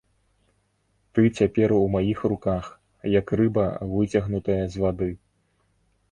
Ты цяпер у маіх руках, як рыба выцягнутая з вады.